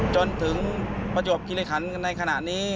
จนถึงประจวบคิริคันในขณะนี้